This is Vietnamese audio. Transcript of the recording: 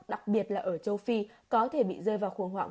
đặc biệt là ở châu phi có thể bị rơi vào khủng hoảng